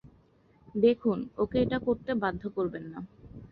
দেখুন ওকে এটা করতে বাধ্য করবেন না।